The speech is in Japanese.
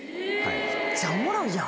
めっちゃおもろいやん。